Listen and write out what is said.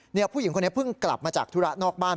ผู้หญิงคนนี้เพิ่งกลับมาจากธุระนอกบ้าน